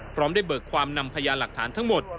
พร้อมได้เบิกความนำพยานหลักฐานทั้งหมด